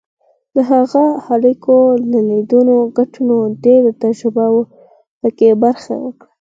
د هغه اړیکو او لیدنو کتنو ډېره تجربه ور په برخه کړه.